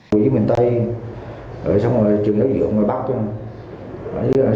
tùy với miền tây rồi xong rồi trường giáo dưỡng ngoài bắc